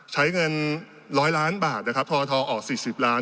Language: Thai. ใช้เงินร้อยล้านบาทนะครับทอทอออกสี่สิบล้าน